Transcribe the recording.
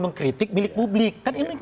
mengkritik milik publik kan ini